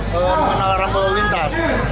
mengenal rambu lalu lintas